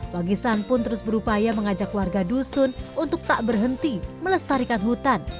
wangisan pun terus berupaya mengajak warga dusun untuk tak berhenti melestarikan hutan